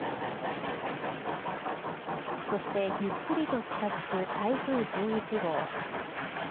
そして、ゆっくりと近づく台風１１号。